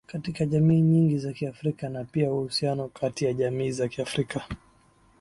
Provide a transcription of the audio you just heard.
katika jamii nyingi za Kiafrika na pia uhusiano kati ya jamii za Kiafrika